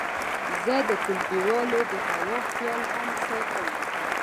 زه د ټولګیو د هوا خیال هم ساتم.